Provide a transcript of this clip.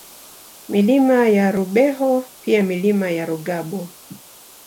Milima ya Rubeho pia Milima ya Rugabo